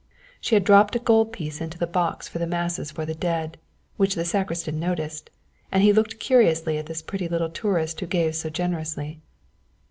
She had dropped a gold piece into the box for the masses for the dead, which the sacristan noticed, and he looked curiously at this pretty little tourist who gave so generously.